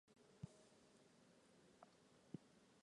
新疆铁角蕨为铁角蕨科铁角蕨属下的一个种。